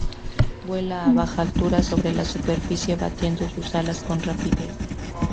Vuela a baja altura sobre la superficie, batiendo sus alas con rapidez.